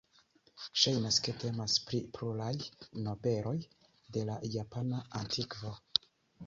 Ŝajnas ke temas pri pluraj nobeloj de la japana antikvo.